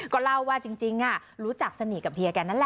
ก็เล่าว่าจริงรู้จักสนิทกับเฮียแกนั่นแหละ